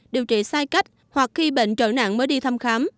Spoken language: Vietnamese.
điều trị sai cách hoặc khi bệnh trợ nạn mới đi thăm khám